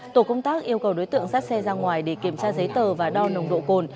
tổ công tác yêu cầu đối tượng sát xe ra ngoài để kiểm tra giấy tờ và đo nồng độ cồn